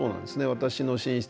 私の寝室